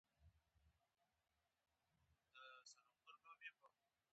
احمدشاه بابا د قانون حاکمیت ته ژمن و.